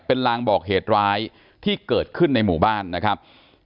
เป็นลางบอกเหตุร้ายที่เกิดขึ้นในหมู่บ้านนะครับ